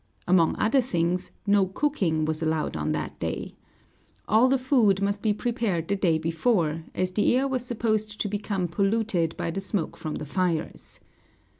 Among other things, no cooking was allowed on that day. All the food must be prepared the day before, as the air was supposed to become polluted by the smoke from the fires.